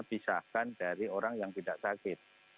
disahkan dari orang yang tidak sakit